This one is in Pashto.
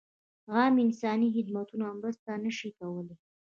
عام انساني خدمتونه مرسته نه شي کولای.